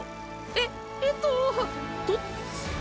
えっえーとどっち。